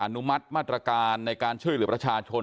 นุมัติมาตรการในการช่วยเหลือประชาชน